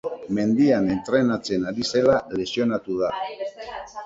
Mendian entrenatzen ari zela lesionatu da.